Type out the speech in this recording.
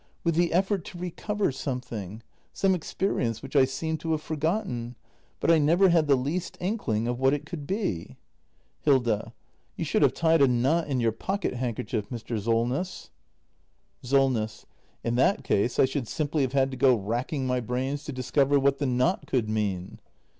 With the effort to recover something — some experi ence, which I seemed to have forgotten. But I never had the least inkling of what it could be. Hilda. You should have tied a knot in your pocket handker chief, Mr. Solness. CO OS C3 C C3 0) OJ act i] THE MASTER BUILDER 315 SOLNESS. In that case, I should simply have had to go racking my brains to discover what the knot could mean.